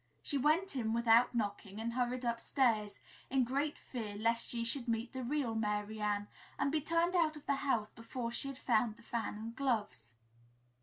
She went in without knocking and hurried upstairs, in great fear lest she should meet the real Mary Ann and be turned out of the house before she had found the fan and gloves.